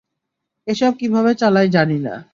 এসব কীভাবে চালায় জানি না।